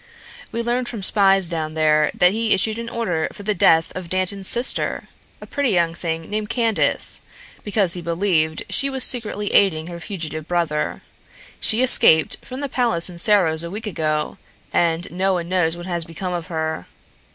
We learned from spies down there that he issued an order for the death of Dantan's sister, a pretty young thing named Candace, because he believed she was secretly aiding her fugitive brother. She escaped from the palace in Serros a week ago, and no one knows what has become of her.